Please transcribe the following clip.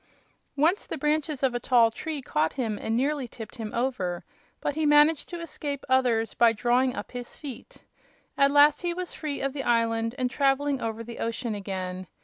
Once the branches of a tall tree caught him and nearly tipped him over; but he managed to escape others by drawing up his feet. At last he was free of the island and traveling over the ocean again.